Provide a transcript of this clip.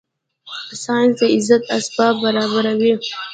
ساینس د عزت اسباب برابره وي